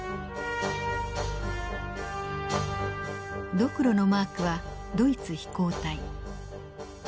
ドクロのマークはドイツ飛行隊。